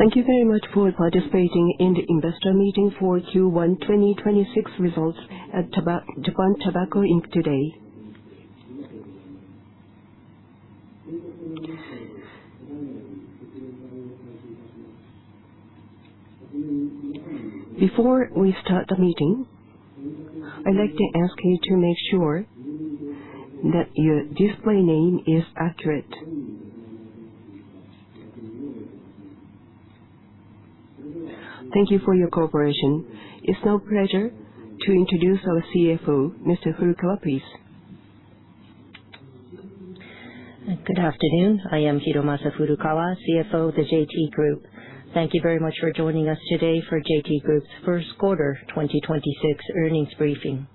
Thank you very much for participating in the Investor Meeting for Q1 2026 Results at Japan Tobacco Inc., today. Before we start the meeting, I'd like to ask you to make sure that your display name is accurate. Thank you for your cooperation. It's now pleasure to introduce our CFO, Mr. Furukawa, please. Good afternoon. I am Hiromasa Furukawa, CFO of the JT Group. Thank you very much for joining us today for JT Group's first quarter 2026 earnings briefing.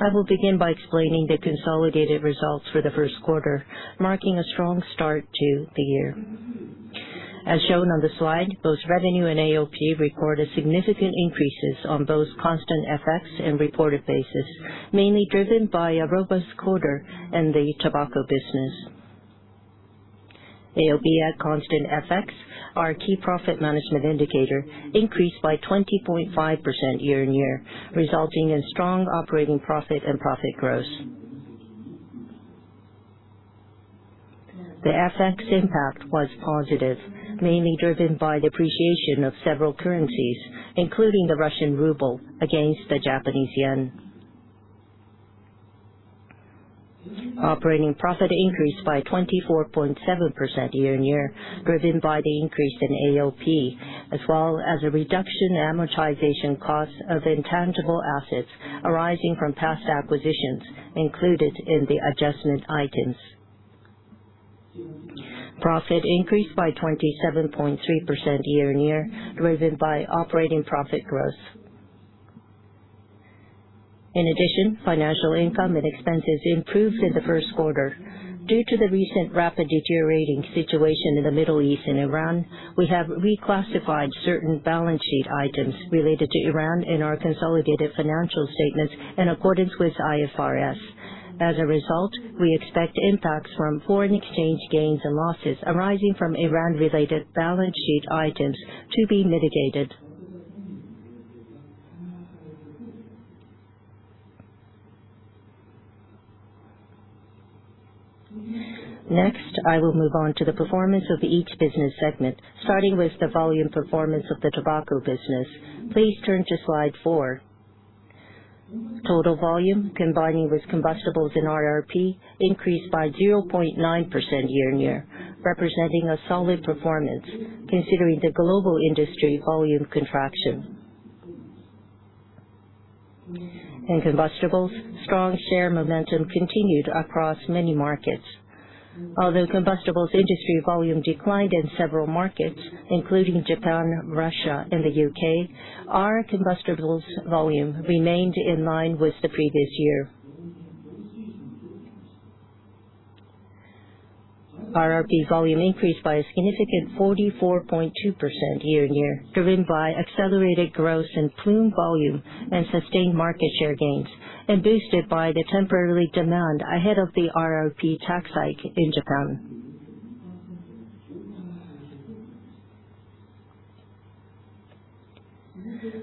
I will begin by explaining the consolidated results for the first quarter, marking a strong start to the year. As shown on the slide, both revenue and AOP recorded significant increases on both constant FX and reported basis, mainly driven by a robust quarter in the tobacco business. AOP at constant FX, our key profit management indicator, increased by 20.5% year-on-year, resulting in strong operating profit and profit growth. The FX impact was positive, mainly driven by the appreciation of several currencies, including the Russian ruble against the Japanese yen. Operating profit increased by 24.7% year-over-year, driven by the increase in AOP, as well as a reduction in amortization costs of intangible assets arising from past acquisitions included in the adjustment items. Profit increased by 27.3% year-over-year, driven by operating profit growth. In addition, financial income and expenses improved in the first quarter. Due to the recent rapid deteriorating situation in the Middle East and Iran, we have reclassified certain balance sheet items related to Iran in our consolidated financial statements in accordance with IFRS. As a result, we expect impacts from foreign exchange gains and losses arising from Iran-related balance sheet items to be mitigated. Next, I will move on to the performance of each business segment, starting with the volume performance of the tobacco business. Please turn to slide four. Total volume, combining with combustibles and RRP, increased by 0.9% year-on-year, representing a solid performance considering the global industry volume contraction. In combustibles, strong share momentum continued across many markets. Although combustibles industry volume declined in several markets, including Japan, Russia, and the U.K., our combustibles volume remained in line with the previous year. RRP volume increased by a significant 44.2% year-on-year, driven by accelerated growth in Ploom volume and sustained market share gains, and boosted by the temporary demand ahead of the RRP tax hike in Japan.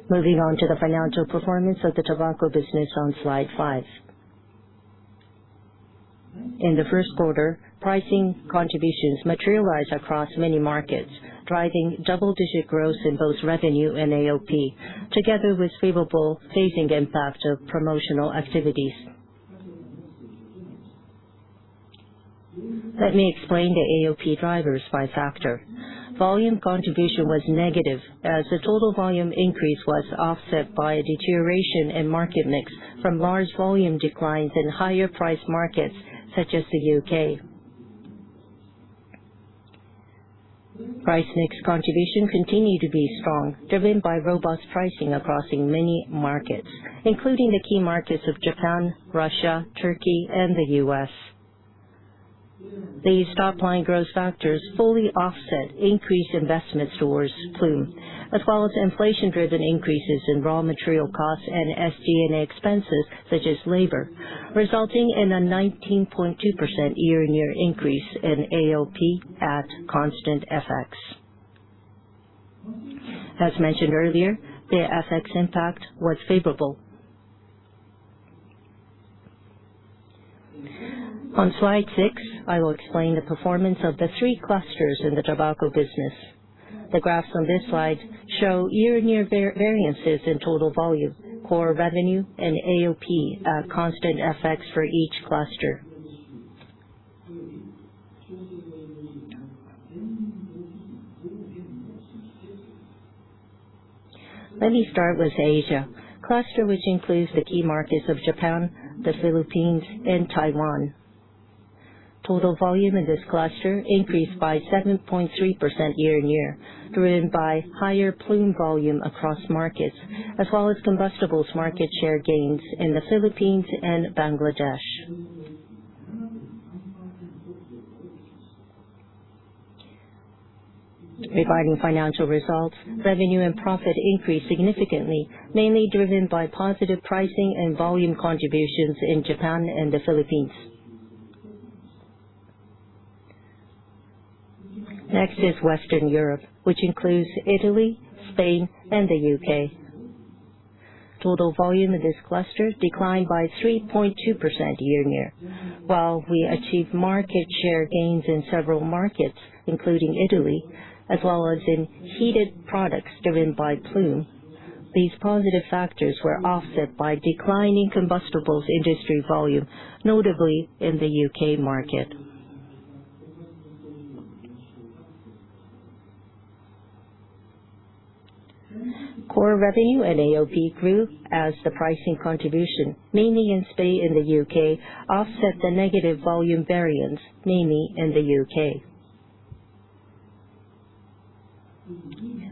Moving on to the financial performance of the tobacco business on slide five. In the first quarter, pricing contributions materialized across many markets, driving double-digit growth in both revenue and AOP, together with favorable phasing impact of promotional activities. Let me explain the AOP drivers by factor. Volume contribution was negative as the total volume increase was offset by a deterioration in market mix from large volume declines in higher priced markets such as the U.K. Price mix contribution continued to be strong, driven by robust pricing across many markets, including the key markets of Japan, Russia, Turkey, and the U.S. These top-line growth factors fully offset increased investment towards Ploom, as well as inflation-driven increases in raw material costs and SG&A expenses such as labor, resulting in a 19.2% year-on-year increase in AOP at constant FX. As mentioned earlier, the FX impact was favorable. On slide six, I will explain the performance of the three clusters in the tobacco business. The graphs on this slide show year-on-year variances in total volume, core revenue and AOP at constant FX for each cluster. Let me start with Asia, cluster which includes the key markets of Japan, the Philippines, and Taiwan. Total volume in this cluster increased by 7.3% year-over-year, driven by higher Ploom volume across markets, as well as combustibles market share gains in the Philippines and Bangladesh. Regarding financial results, revenue and profit increased significantly, mainly driven by positive pricing and volume contributions in Japan and the Philippines. Next is Western Europe, which includes Italy, Spain, and the U.K. Total volume of this cluster declined by 3.2% year-over-year. While we achieved market share gains in several markets, including Italy, as well as in heated products driven by Ploom, these positive factors were offset by declining combustibles industry volume, notably in the U.K. market. Core revenue and AOP grew as the pricing contribution, mainly in Spain and the U.K., offset the negative volume variance, mainly in the U.K.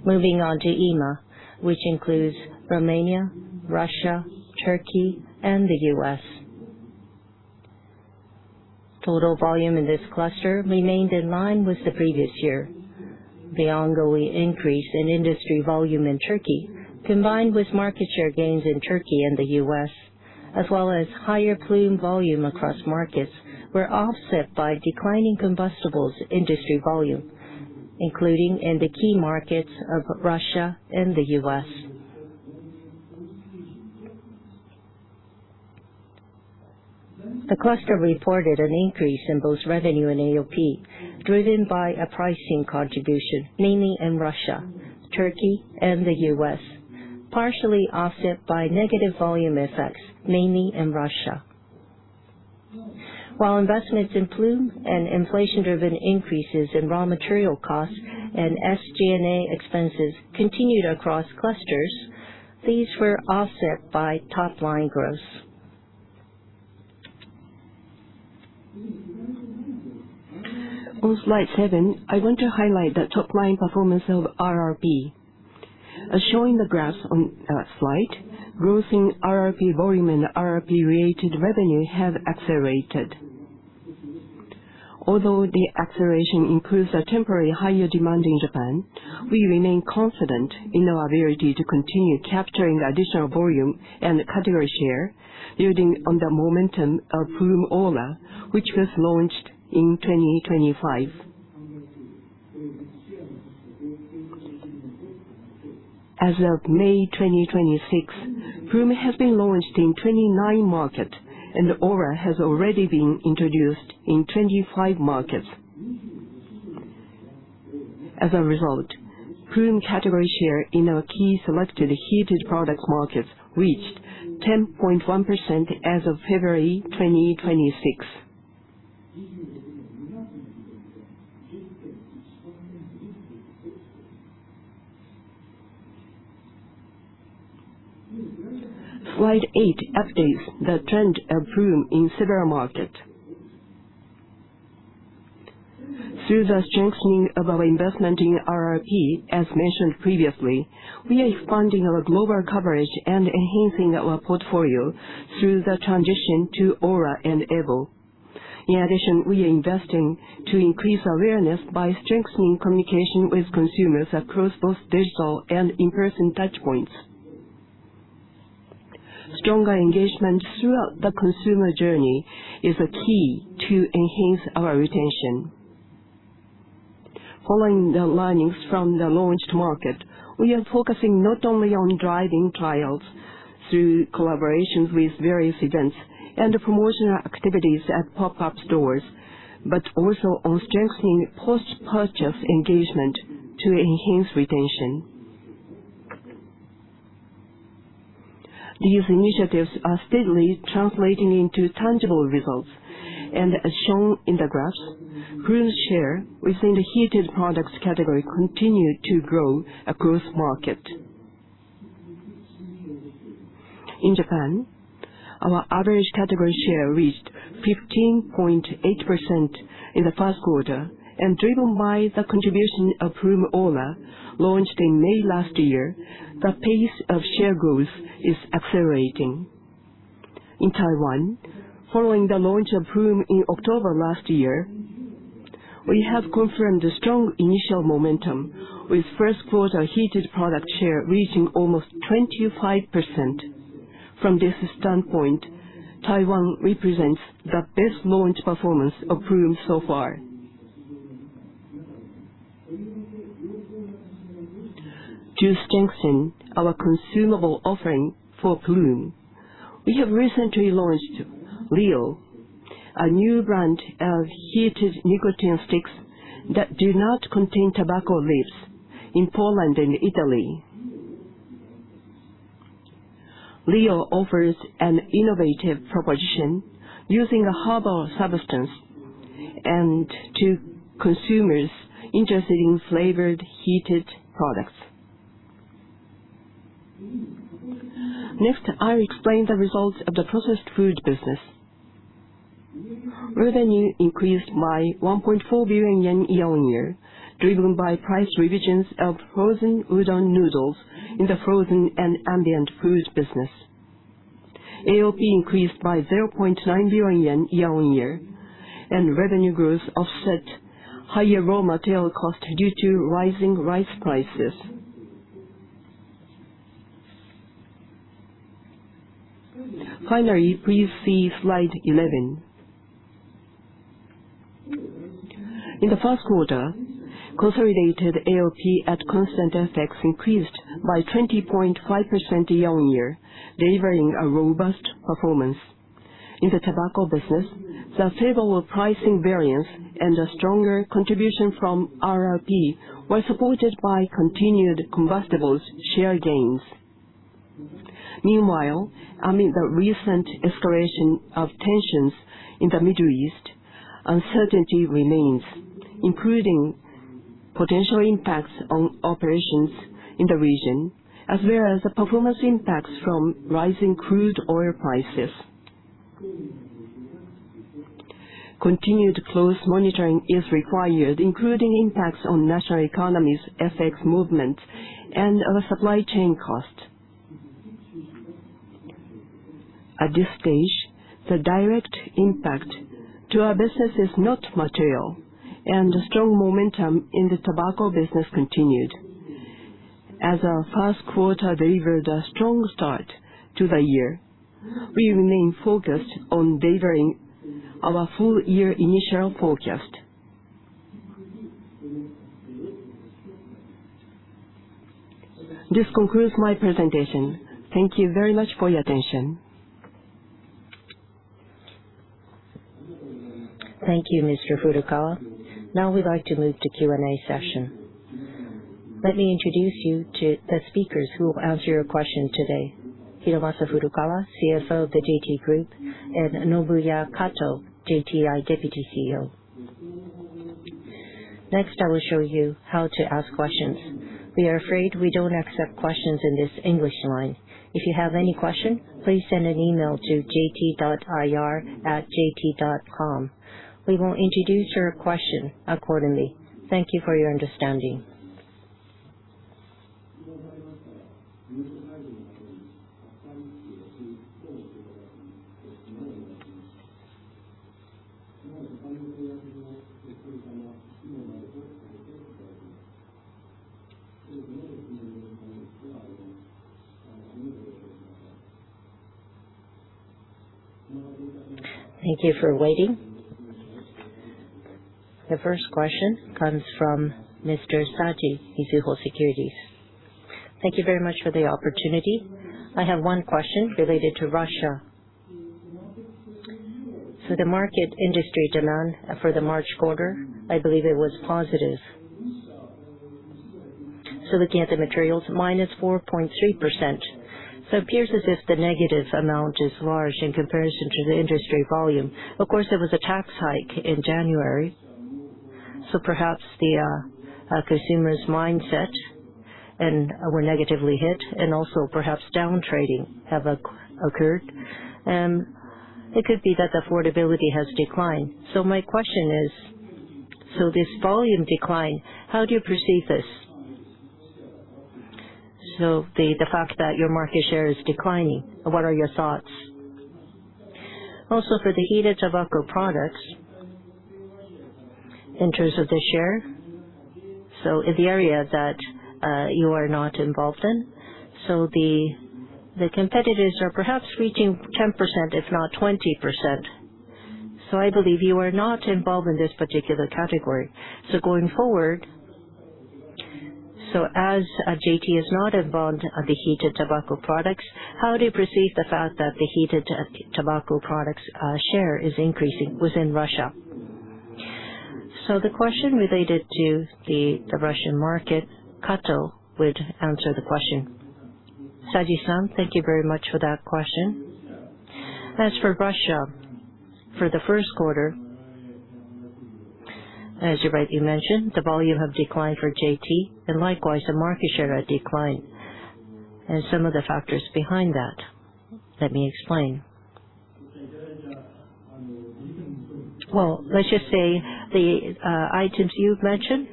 Moving on to EMA, which includes Romania, Russia, Turkey, and the U.S. Total volume in this cluster remained in line with the previous year. The ongoing increase in industry volume in Turkey, combined with market share gains in Turkey and the U.S., as well as higher Ploom volume across markets, were offset by declining combustibles industry volume, including in the key markets of Russia and the U.S. The cluster reported an increase in both revenue and AOP, driven by a pricing contribution, mainly in Russia, Turkey, and the U.S., partially offset by negative volume effects, mainly in Russia. While investments in Ploom and inflation-driven increases in raw material costs and SG&A expenses continued across clusters, these were offset by top-line growth. On slide seven, I want to highlight the top-line performance of RRP. As shown in the graphs on slide, growth in RRP volume and RRP-related revenue have accelerated. Although the acceleration includes a temporary higher demand in Japan, we remain confident in our ability to continue capturing additional volume and category share building on the momentum of Ploom AURA, which was launched in 2025. As of May 2026, Ploom has been launched in 29 markets, and AURA has already been introduced in 25 markets. As a result, Ploom category share in our key selected heated product markets reached 10.1% as of February 2026. Slide eight updates the trend of Ploom in several markets. Through the strengthening of our investment in RRP, as mentioned previously, we are expanding our global coverage and enhancing our portfolio through the transition to AURA and EVO. In addition, we are investing to increase awareness by strengthening communication with consumers across both digital and in-person touchpoints. Stronger engagement throughout the consumer journey is a key to enhance our retention. Following the learnings from the launched market, we are focusing not only on driving trials through collaborations with various events and promotional activities at pop-up stores, but also on strengthening post-purchase engagement to enhance retention. These initiatives are steadily translating into tangible results. As shown in the graphs, Ploom's share within the heated products category continued to grow across markets. In Japan, our average category share reached 15.8% in the first quarter, and driven by the contribution of Ploom AURA, launched in May last year, the pace of share growth is accelerating. In Taiwan, following the launch of Ploom in October last year, we have confirmed a strong initial momentum, with first quarter heated product share reaching almost 25%. From this standpoint, Taiwan represents the best launch performance of Ploom so far. To strengthen our consumable offering for Ploom, we have recently launched Lyo, a new brand of heated nicotine sticks that do not contain tobacco leaves in Poland and Italy. Lyo offers an innovative proposition using a herbal substance and to consumers interested in flavored heated products. Next, I'll explain the results of the processed food business. Revenue increased by 1.4 billion yen year-on-year, driven by price revisions of frozen udon noodles in the frozen and ambient foods business. AOP increased by 0.9 billion yen year-on-year, and revenue growth offset higher raw material costs due to rising rice prices. Finally, please see slide 11. In the first quarter, consolidated AOP at constant FX increased by 20.5% year-on-year, delivering a robust performance. In the tobacco business, the favorable pricing variance and a stronger contribution from RRP were supported by continued combustibles share gains. Meanwhile, amid the recent escalation of tensions in the Middle East, uncertainty remains, including potential impacts on operations in the region, as well as the performance impacts from rising crude oil prices. Continued close monitoring is required, including impacts on national economies, FX movement, and our supply chain cost. At this stage, the direct impact to our business is not material, and the strong momentum in the tobacco business continued. As our first quarter delivered a strong start to the year, we remain focused on delivering our full year initial forecast. This concludes my presentation. Thank you very much for your attention. Thank you, Mr. Furukawa. Now we'd like to move to Q&A session. Let me introduce you to the speakers who will answer your question today. Hiromasa Furukawa, CFO of the JT Group, and Nobuya Kato, JTI Deputy CEO. Next, I will show you how to ask questions. We are afraid we don't accept questions in this English line. If you have any question, please send an email to jt.ir@jt.com. We will introduce your question accordingly. Thank you for your understanding. Thank you for waiting. The first question comes from Mr. Saji, Mizuho Securities. Thank you very much for the opportunity. I have one question related to Russia. The market industry demand for the March quarter, I believe it was positive. Looking at the materials, -4.3%. It appears as if the negative amount is large in comparison to the industry volume. Of course, there was a tax hike in January, so perhaps the consumers' mindset were negatively hit and also perhaps down trading have occurred. It could be that the affordability has declined. My question is, so this volume decline, how do you perceive this? The fact that your market share is declining, what are your thoughts? For the heated tobacco products, in terms of the share, in the area that you are not involved in, competitors are perhaps reaching 10%, if not 20%. I believe you are not involved in this particular category. Going forward, as JT is not involved on the heated tobacco products, how do you perceive the fact that the heated tobacco products share is increasing within Russia? The question related to the Russian market, Kato would answer the question. Saji, thank you very much for that question. As for Russia, for the first quarter, as you rightly mentioned, the volume have declined for JT and likewise, the market share had declined. Some of the factors behind that, let me explain. Let's just say the items you've mentioned,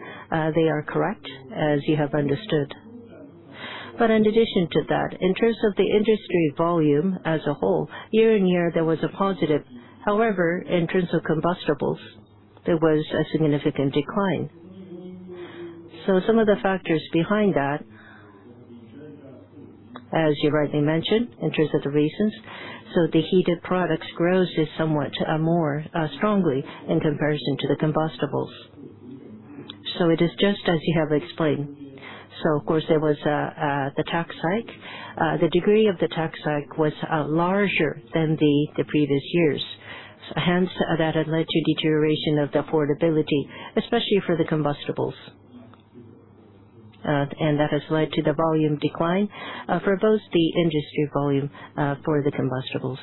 they are correct, as you have understood. In addition to that, in terms of the industry volume as a whole, year-on-year there was a positive. However, in terms of combustibles, there was a significant decline. Some of the factors behind that, as you rightly mentioned, in terms of the reasons, so the heated products grows is somewhat more strongly in comparison to the combustibles. It is just as you have explained. Of course, there was the tax hike. The degree of the tax hike was larger than the previous years. Hence, that had led to deterioration of the affordability, especially for the combustibles. That has led to the volume decline for both the industry volume for the combustibles.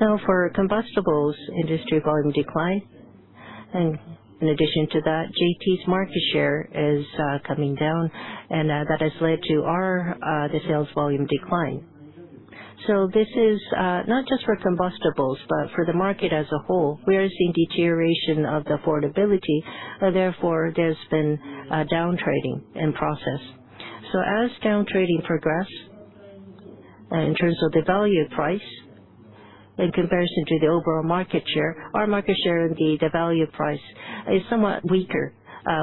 Now, for combustibles industry volume decline. In addition to that, JT's market share is coming down and that has led to our the sales volume decline. This is not just for combustibles, but for the market as a whole. We are seeing deterioration of the affordability, therefore, there's been a down trading in process. As down trading progress, in terms of the value price. In comparison to the overall market share, our market share in the value price is somewhat weaker.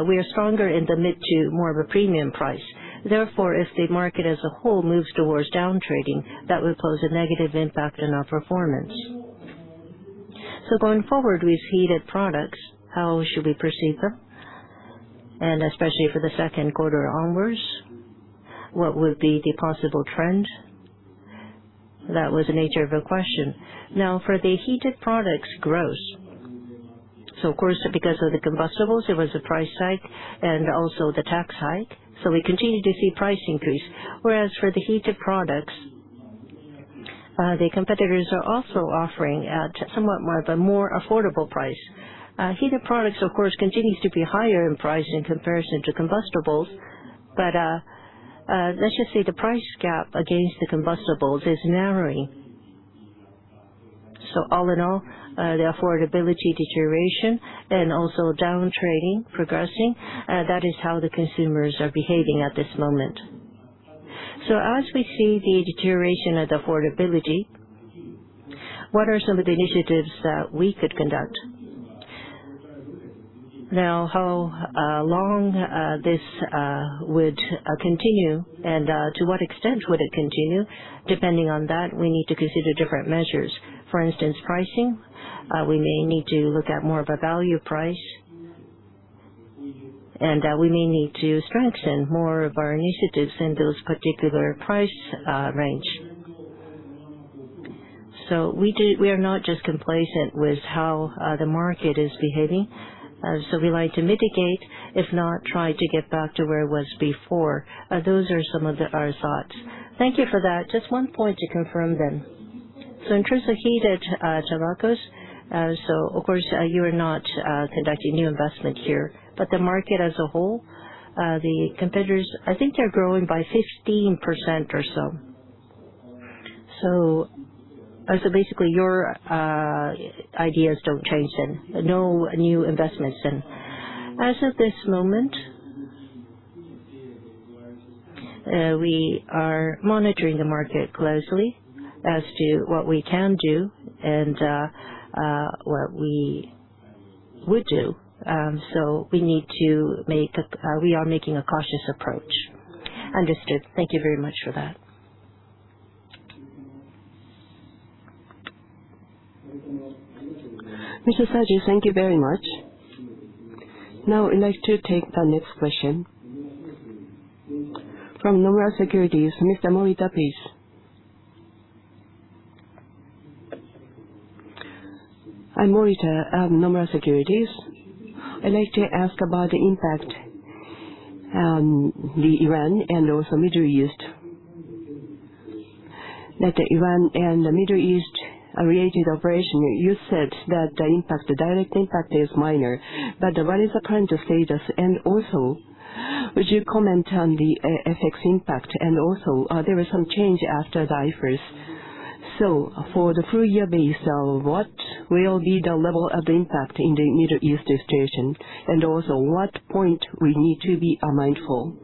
We are stronger in the mid to more of a premium price. Therefore, if the market as a whole moves towards down trading, that would pose a negative impact on our performance. Going forward with heated products, how should we perceive them? Especially for the second quarter onwards, what would be the possible trend? That was the nature of your question. For the heated products growth. Of course, because of the combustibles, there was a price hike and also the tax hike. We continue to see price increase. Whereas for the heated products, the competitors are also offering at somewhat more of a more affordable price. Heated products, of course, continues to be higher in price in comparison to combustibles. Let's just say the price gap against the combustibles is narrowing. All in all, the affordability deterioration and also down trading progressing, that is how the consumers are behaving at this moment. As we see the deterioration of the affordability, what are some of the initiatives that we could conduct? How long this would continue and to what extent would it continue? Depending on that, we need to consider different measures. For instance, pricing. We may need to look at more of a value price, and we may need to strengthen more of our initiatives in those particular price range. We are not just complacent with how the market is behaving. We like to mitigate, if not try to get back to where it was before. Those are some of the, our thoughts. Thank you for that. Just one point to confirm then. In terms of heated tobacco, of course, you are not conducting new investment here. The market as a whole, the competitors, I think they're growing by 15% or so. Basically, your ideas don't change then. No new investments then? As of this moment, we are monitoring the market closely as to what we can do and, what we would do. We need to make a, we are making a cautious approach. Understood. Thank you very much for that. Mr. Saji, thank you very much. Now I'd like to take the next question. From Nomura Securities, Mr. Morita, please. I'm Morita, Nomura Securities. I'd like to ask about the impact on the Iran and also Middle East. That Iran and the Middle East related operation, you said that the impact, the direct impact is minor, but what is the current status? Also, would you comment on the FX impact? Also, there was some change after the IFRS. For the full year base, what will be the level of impact in the Middle East situation? Also, what point we need to be mindful?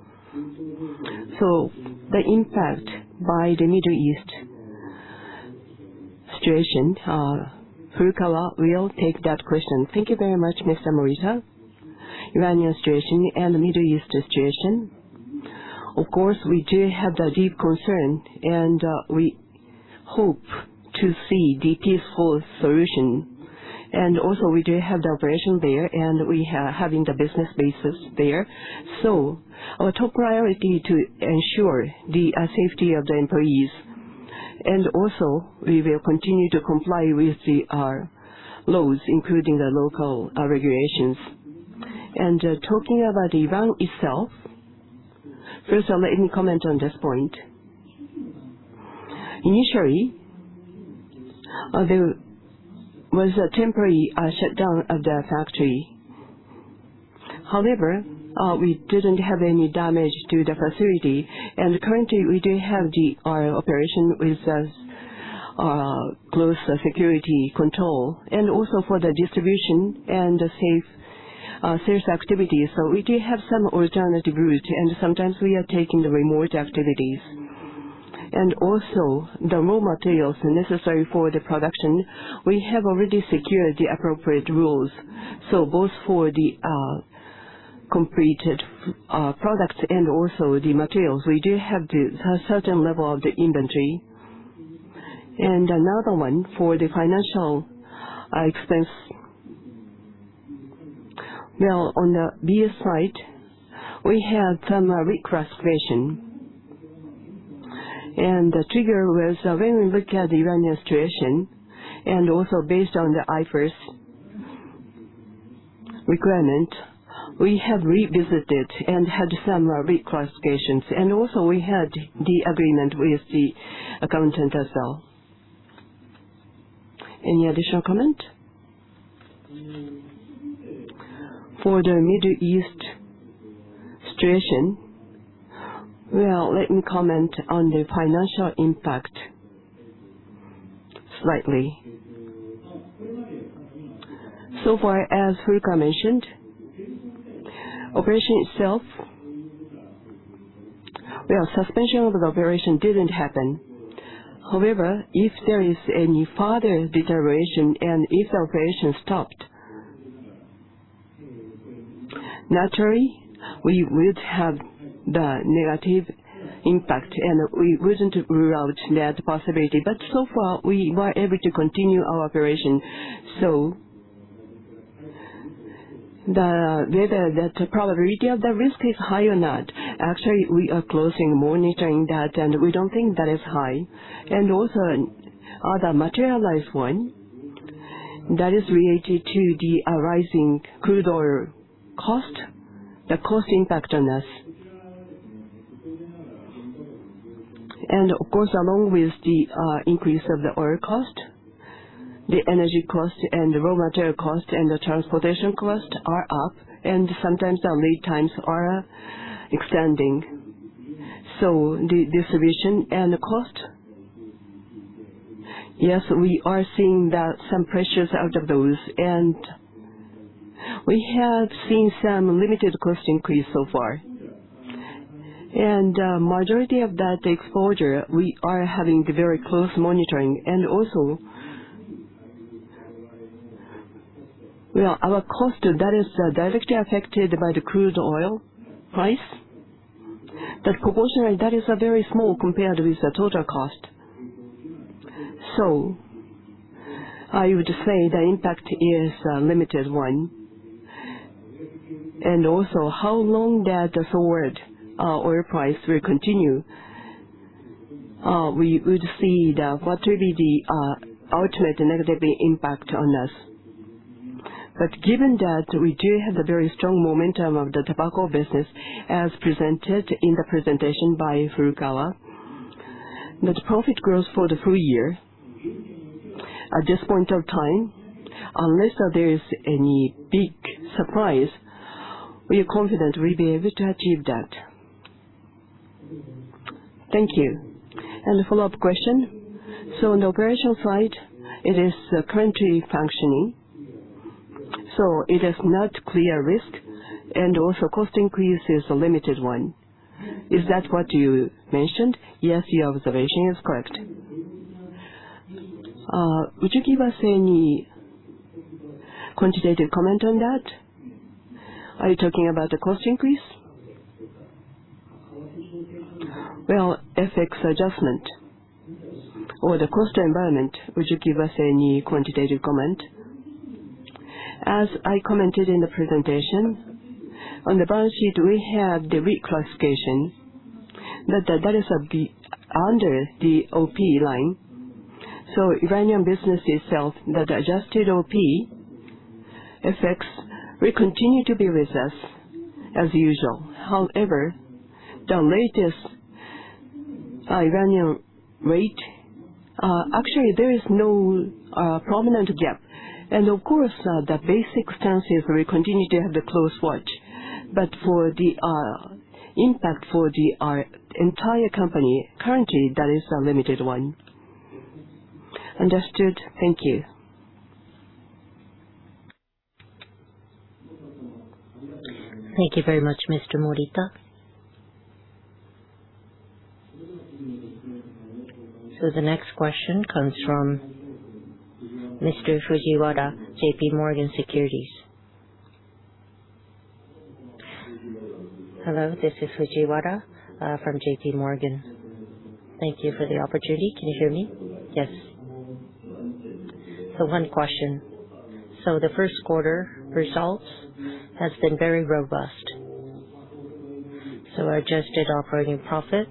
The impact by the Middle East situation, Furukawa will take that question. Thank you very much, Mr. Morita. Iranian situation and the Middle East situation. Of course, we do have the deep concern, and we hope to see the peaceful solution. We do have the operation there, and we having the business bases there. Our top priority to ensure the safety of the employees. We will continue to comply with the laws, including the local regulations. Talking about Iran itself, first, let me comment on this point. Initially, there was a temporary shutdown of the factory. However, we didn't have any damage to the facility. Currently, we do have the operation with close security control and also for the distribution and the safe sales activities. We do have some alternative route, and sometimes we are taking the remote activities. The raw materials necessary for the production, we have already secured the appropriate rules. Both for the completed products and also the materials, we do have the certain level of the inventory. Another one for the financial expense. Well, on the BS side, we had some reclassification. The trigger was when we look at the Iranian situation and also based on the IFRS requirement, we have revisited and had some reclassifications. We had the agreement with the accountant as well. Any additional comment? For the Middle East situation, well, let me comment on the financial impact slightly. So far, as Furukawa mentioned, operation itself, well, suspension of the operation didn't happen. However, if there is any further deterioration and if the operation stopped, naturally, we would have the negative impact, and we wouldn't rule out that possibility. So far, we were able to continue our operation. The, whether that probability of the risk is high or not, actually, we are closely monitoring that, and we don't think that is high. Also, other materialized one that is related to the rising crude oil cost, the cost impact on us. Of course, along with the increase of the oil cost, the energy cost and the raw material cost and the transportation cost are up, and sometimes the lead times are extending. The distribution and the cost, yes, we are seeing that some pressures out of those. We have seen some limited cost increase so far. Majority of that exposure, we are having very close monitoring. Also, well, our cost, that is directly affected by the crude oil price, but proportionally, that is very small compared with the total cost. I would say the impact is a limited one. Also, how long that forward oil price will continue, we would see what will be the ultimate negative impact on us. Given that we do have a very strong momentum of the tobacco business, as presented in the presentation by Furukawa, net profit growth for the full year, at this point of time, unless there is any big surprise, we are confident we'll be able to achieve that. Thank you. A follow-up question. On the operation side, it is currently functioning, so it is not clear risk and also cost increase is a limited one. Is that what you mentioned? Yes, your observation is correct. Would you give us any quantitative comment on that? Are you talking about the cost increase? Well, FX adjustment or the cost environment, would you give us any quantitative comment? As I commented in the presentation, on the balance sheet, we have the reclassification that is under the OP line. Iranian business itself, the adjusted OP effects will continue to be with us as usual. However, the latest Iranian rate, actually, there is no prominent gap. Of course, the basic stance is we continue to have the close watch. For the impact for the entire company, currently, that is a limited one. Understood. Thank you. Thank you very much, Mr. Morita. The next question comes from Ms. Fujiwara, JPMorgan. Hello, this is Fujiwara, from JPMorgan. Thank you for the opportunity. Can you hear me? Yes. One question. The first quarter results has been very robust. Adjusted operating profit,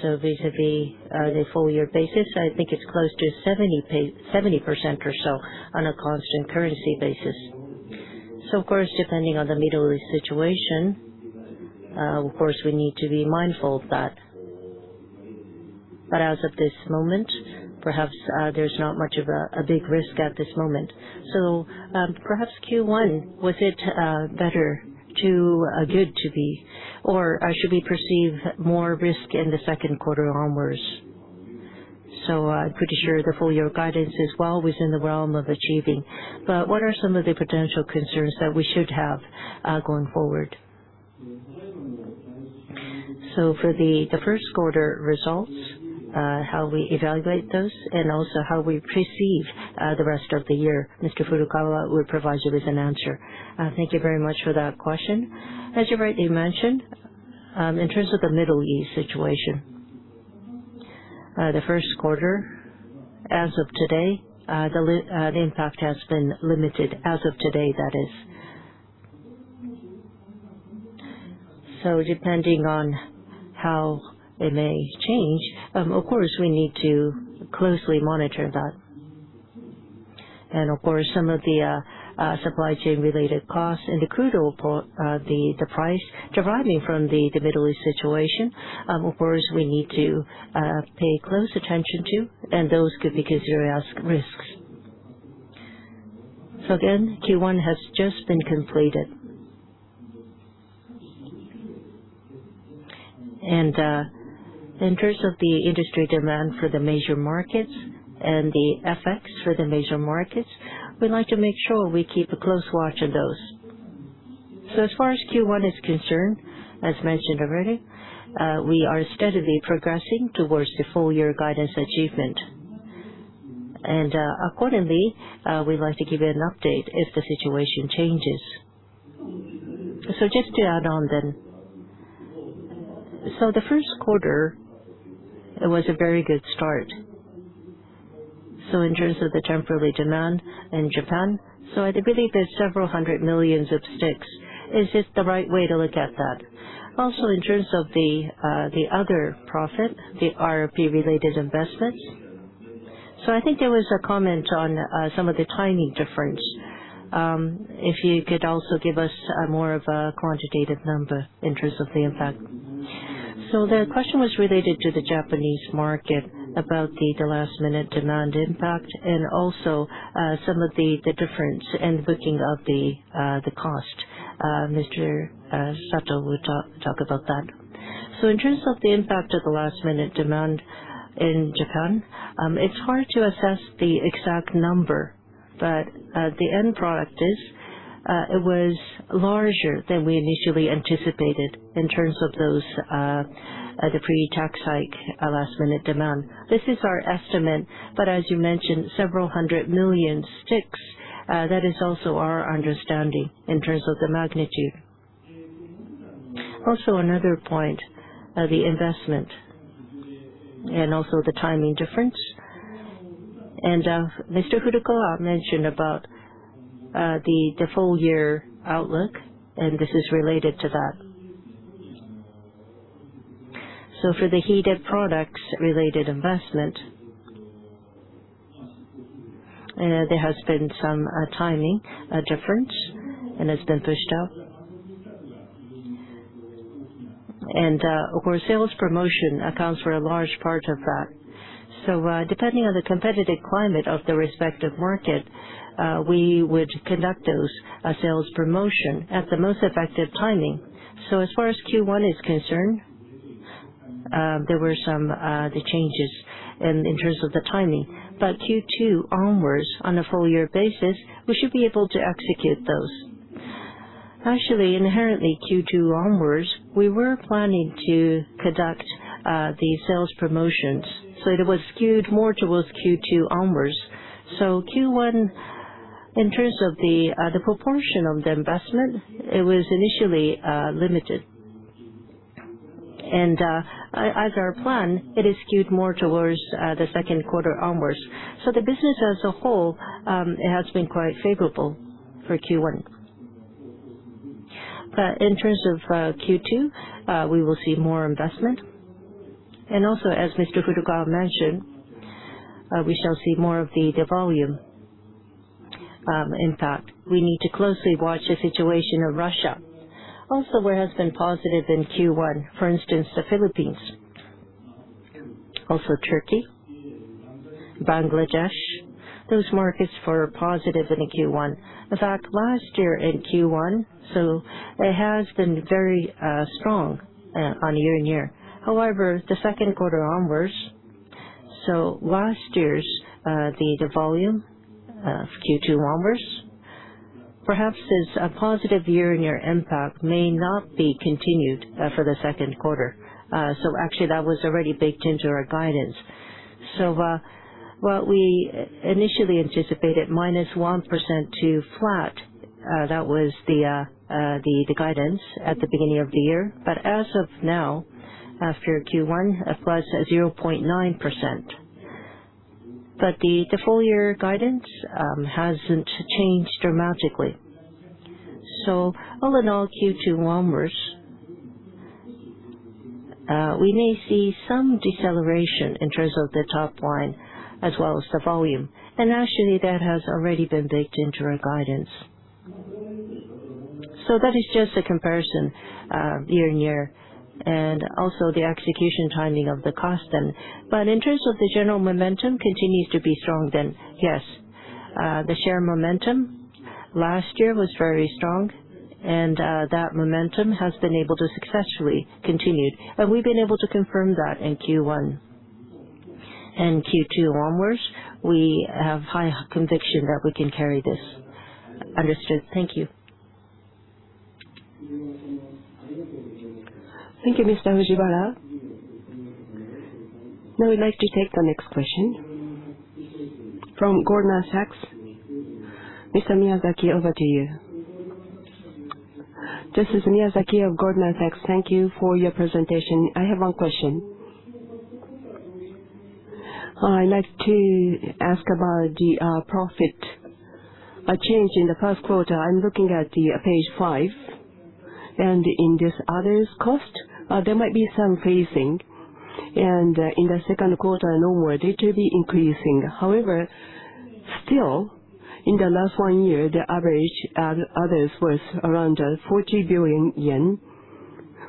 vis-a-vis the full-year basis, I think it's close to 70% or so on a constant currency basis. Of course, depending on the Middle East situation, of course, we need to be mindful of that. As of this moment, perhaps, there's not much of a big risk at this moment. Perhaps Q1, was it better to good to be? Should we perceive more risk in the second quarter onwards? I'm pretty sure the full year guidance is well within the realm of achieving, but what are some of the potential concerns that we should have going forward? For the first quarter results, how we evaluate those and also how we perceive the rest of the year, Mr. Furukawa will provide you with an answer. Thank you very much for that question. As you rightly mentioned, in terms of the Middle East situation, the 1st quarter as of today, the impact has been limited as of today, that is. Depending on how it may change, of course, we need to closely monitor that. Of course, some of the supply chain-related costs and the crude oil price deriving from the Middle East situation, of course, we need to pay close attention to, and those could be considered as risks. Again, Q1 has just been completed. In terms of the industry demand for the major markets and the FX for the major markets, we'd like to make sure we keep a close watch on those. As far as Q1 is concerned, as mentioned already, we are steadily progressing towards the full-year guidance achievement. Accordingly, we'd like to give you an update if the situation changes. Just to add on then. The first quarter, it was a very good start. In terms of the temporary demand in Japan, I believe there's several hundred millions of sticks. Is this the right way to look at that? Also, in terms of the other profit, the RRP-related investments. I think there was a comment on some of the timing difference. If you could also give us more of a quantitative number in terms of the impact. The question was related to the Japanese market about the last-minute demand impact and also some of the difference in booking of the cost. Mr. Kato will talk about that. In terms of the impact of the last-minute demand in Japan, it's hard to assess the exact number. The end product is, it was larger than we initially anticipated in terms of those pre-tax hike last-minute demand. This is our estimate. As you mentioned, several hundred million sticks, that is also our understanding in terms of the magnitude. Another point, the investment and also the timing difference. Mr. Furukawa mentioned about the full-year outlook, and this is related to that. For the heated products-related investment, there has been some timing difference, and it's been pushed out. Our sales promotion accounts for a large part of that. Depending on the competitive climate of the respective market, we would conduct those sales promotion at the most effective timing. As far as Q1 is concerned, there were some changes in terms of the timing. Q2 onwards, on a full-year basis, we should be able to execute those. Actually, inherently, Q2 onwards, we were planning to conduct the sales promotions, so it was skewed more towards Q2 onwards. Q1, in terms of the proportion of the investment, it was initially limited. As our plan, it is skewed more towards the second quarter onwards. The business as a whole, it has been quite favorable for Q1. In terms of Q2, we will see more investment. Also, as Mr. Furukawa mentioned, we shall see more of the volume. In fact, we need to closely watch the situation of Russia. Also, where has been positive in Q1, for instance, the Philippines, also Turkey, Bangladesh, those markets were positive in the Q1. In fact, last year in Q1, it has been very strong on a year-on-year. However, the second quarter onwards, last year's the volume of Q2 onwards, perhaps since a positive year-on-year impact may not be continued for the second quarter. Actually, that was already baked into our guidance. What we initially anticipated, -1% to flat, that was the guidance at the beginning of the year. As of now, after Q1, +0.9%. The full-year guidance hasn't changed dramatically. All in all, Q2 onwards, we may see some deceleration in terms of the top line as well as the volume. Actually, that has already been baked into our guidance. That is just a comparison year-on-year, and also the execution timing of the cost. In terms of the general momentum continues to be strong, yes. The share momentum last year was very strong, and that momentum has been able to successfully continued. We've been able to confirm that in Q1. Q2 onwards, we have high conviction that we can carry this. Understood. Thank you. Thank you, Ms. Fujiwara. Now we'd like to take the next question from Goldman Sachs. Mr. Miyazaki, over to you. This is Miyazaki of Goldman Sachs. Thank you for your presentation. I have one question. I'd like to ask about the profit, a change in the first quarter. I'm looking at page five. In this others cost, there might be some phasing. In the second quarter and onward, it will be increasing. However, still, in the last one year, the average, others was around 40 billion yen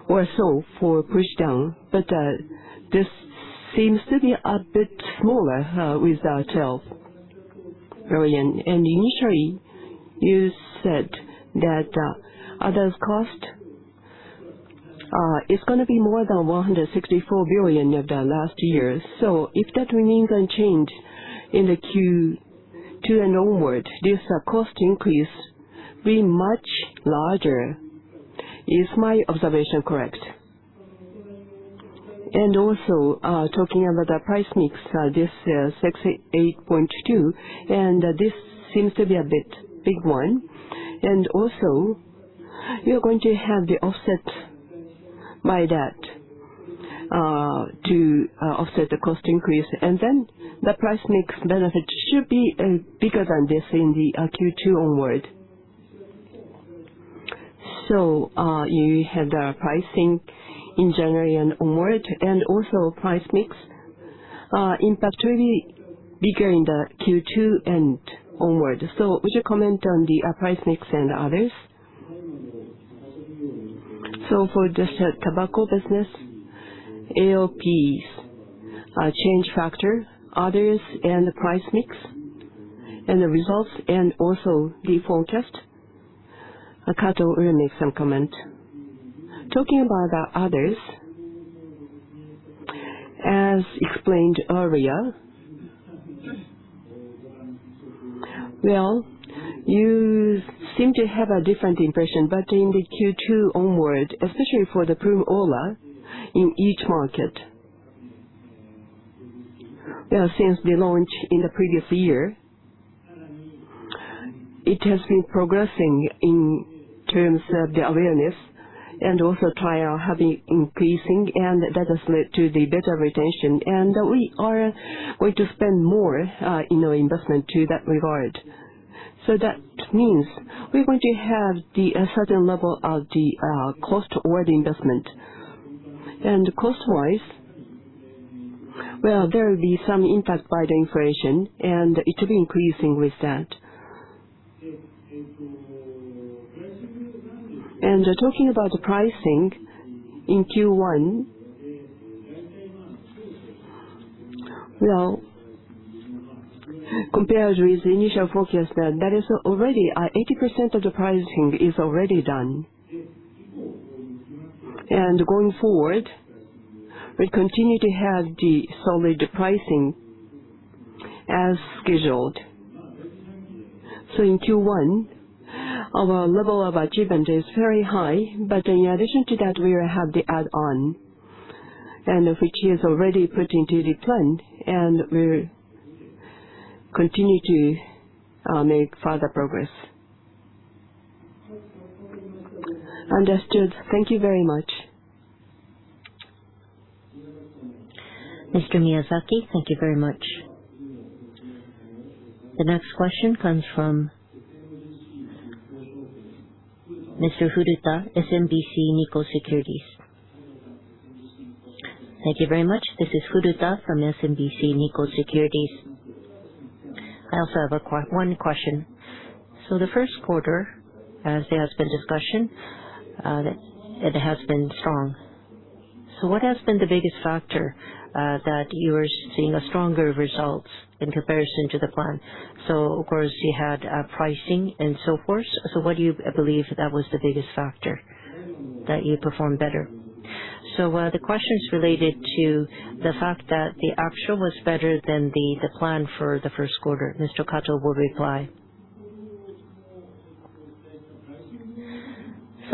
or so for push down. This seems to be a bit smaller, with that half billion. Initially, you said that other cost is going to be more than 164 billion of the last year. If that remains unchanged in the Q2 and onward, this cost increase be much larger. Is my observation correct? Talking about the price mix, this, 68.2, and this seems to be a bit big one. You're going to have the offset by that, to, offset the cost increase. The price mix benefit should be, bigger than this in the, Q2 onward. You have the pricing in January and onward, and also price mix, impact will be bigger in the Q2 and onward. Would you comment on the, price mix and others? For just the tobacco business, AOPs, change factor, others, and the price mix, and the results, and also the forecast. Kato will make some comment. Talking about the others, as explained earlier. Well, you seem to have a different impression, but in the Q2 onward, especially for the Ploom AURA in each market. Since the launch in the previous year, it has been progressing in terms of the awareness, and also trial have been increasing, and that has led to the better retention. We are going to spend more, you know, investment to that regard. That means we're going to have the, a certain level of the, cost or the investment. Cost-wise, well, there will be some impact by the inflation, and it will be increasing with that. Talking about the pricing in Q1. Well, compared with the initial forecast, that is already 80% of the pricing is already done. Going forward, we continue to have the solid pricing as scheduled. In Q1, our level of achievement is very high. In addition to that, we will have the add-on, and which is already put into the plan. We'll continue to make further progress. Understood. Thank you very much. Mr. Miyazaki, thank you very much. The next question comes from Mr. Furuta, SMBC Nikko Securities. Thank you very much. This is Furuta from SMBC Nikko Securities. I also have one question. The first quarter, as there has been discussion, it has been strong. What has been the biggest factor that you are seeing a stronger results in comparison to the plan? Of course, you had pricing and so forth. What do you believe that was the biggest factor that you performed better? The question is related to the fact that the actual was better than the plan for the first quarter. Mr. Kato will reply.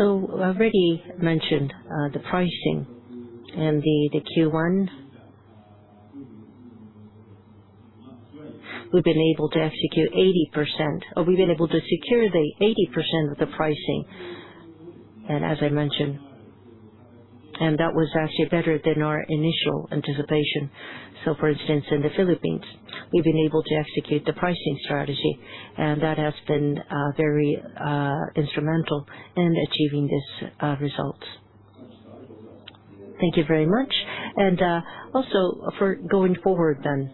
I already mentioned the pricing and the Q1. We've been able to execute 80%. We've been able to secure the 80% of the pricing, as I mentioned. That was actually better than our initial anticipation. For instance, in the Philippines, we've been able to execute the pricing strategy, and that has been very instrumental in achieving this result. Thank you very much. Also for going forward then.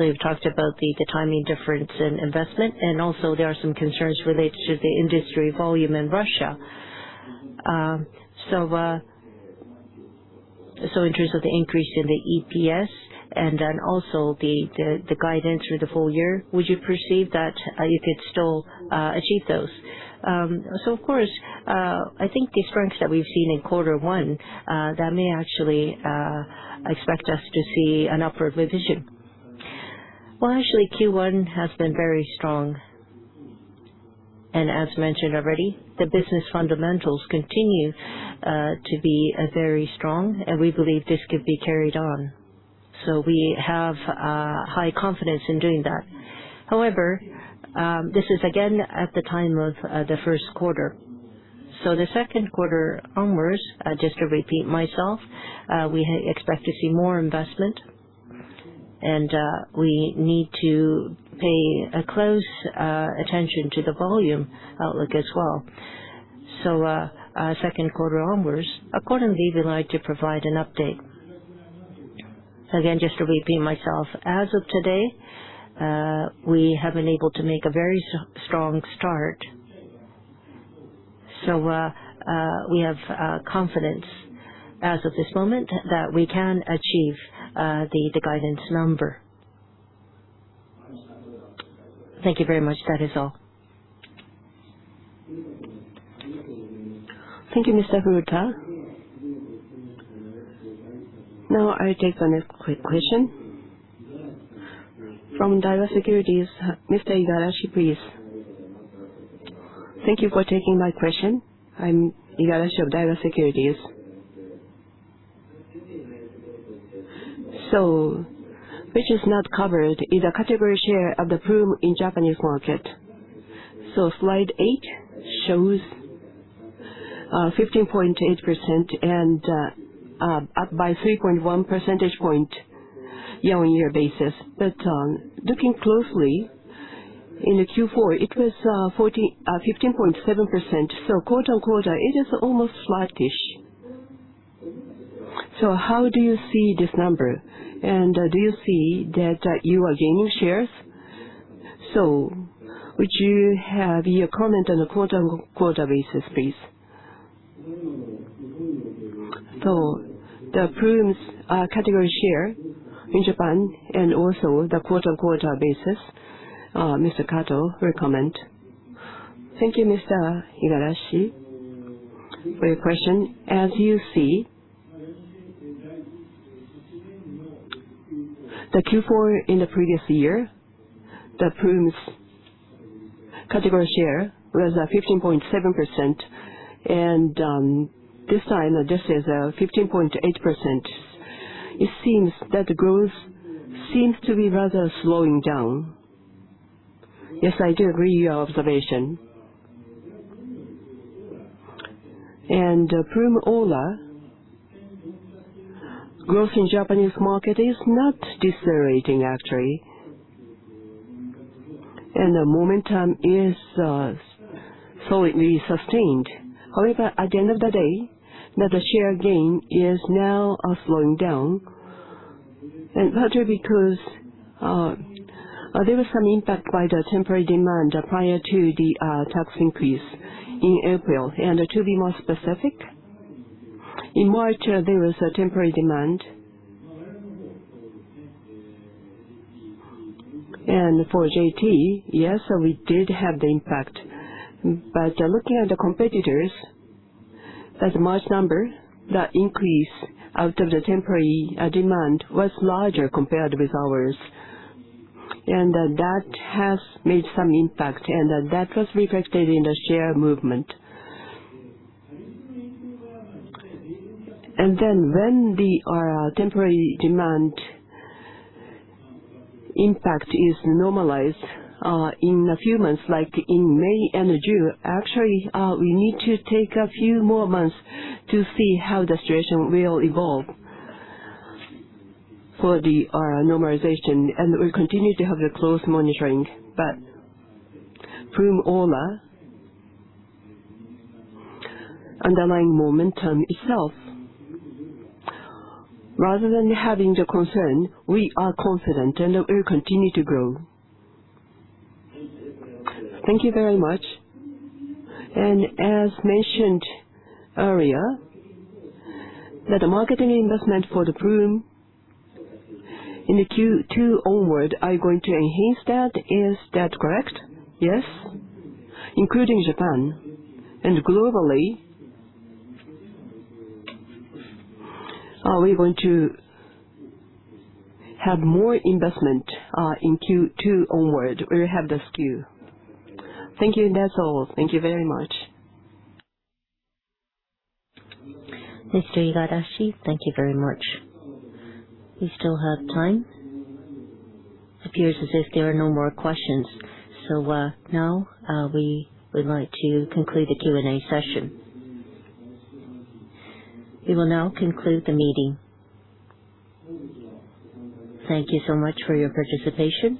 You've talked about the timing difference in investment, and also there are some concerns related to the industry volume in Russia. In terms of the increase in the EPS and also the guidance for the full year, would you perceive that you could still achieve those? Of course, I think the strengths that we've seen in quarter one, that may actually expect us to see an upward revision. Well, actually, Q1 has been very strong. As mentioned already, the business fundamentals continue to be very strong, and we believe this could be carried on. We have high confidence in doing that. However, this is again at the time of the first quarter. The second quarter onwards, just to repeat myself, we expect to see more investment and we need to pay a close attention to the volume outlook as well. Second quarter onwards, accordingly, we'd like to provide an update. Again, just to repeat myself, as of today, we have been able to make a very strong start. We have confidence as of this moment that we can achieve the guidance number. Thank you very much. That is all. Thank you, Mr. Furuta. Now, I take the next quick question. From Daiwa Securities, Mr. Igarashi, please. Thank you for taking my question. I'm Igarashi of Daiwa Securities. Which is not covered is a category share of the Ploom in Japanese market. Slide eight shows 15.8% and up by 3.1 percentage point year-on-year basis. Looking closely in the Q4, it was 15.7%. Quarter-on-quarter it is almost flattish. How do you see this number? Do you see that you are gaining shares? Would you have your comment on a quarter-on-quarter basis, please? The Ploom's, category share in Japan and also the quarter-on-quarter basis, Mr. Kato will comment. Thank you, Mr. Igarashi for your question. As you see, the Q4 in the previous year, the Ploom's category share was 15.7%. This time, this is 15.8%. It seems that the growth seems to be rather slowing down. Yes, I do agree with your observation. Ploom AURA, growth in Japanese market is not decelerating actually, and the momentum is solidly sustained. At the end of the day, that the share gain is now slowing down, and partly because there was some impact by the temporary demand prior to the tax increase in April. To be more specific, in March, there was a temporary demand. For JT, yes, we did have the impact. Looking at the competitors as March number, the increase out of the temporary demand was larger compared with ours. That has made some impact. That was reflected in the share movement. When the temporary demand impact is normalized, in a few months, like in May and June, actually, we need to take a few more months to see how the situation will evolve for the normalization. We continue to have the close monitoring. Ploom AURA, underlying momentum itself, rather than having the concern, we are confident and it will continue to grow. Thank you very much. As mentioned earlier, that the marketing investment for the Ploom in the Q2 onward are going to enhance that. Is that correct? Yes. Including Japan and globally, we're going to have more investment in Q2 onward. We have the SKU. Thank you. That's all. Thank you very much. Mr. Igarashi, thank you very much. We still have time. It appears as if there are no more questions. Now, we would like to conclude the Q&A session. We will now conclude the meeting. Thank you so much for your participation.